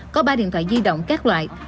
có ba điện thoại di động các loại